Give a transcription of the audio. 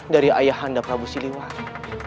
dari ayah anda prabu siliwangi